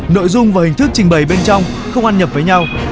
đội dung và hình thức trình bày bên trong không ăn nhập với nhau